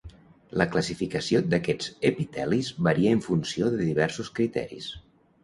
La classificació d'aquests epitelis varia en funció de diversos criteris.